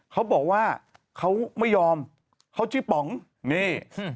เขาบอกว่าเขาไม่ยอมเขาชื่อป๋องนี่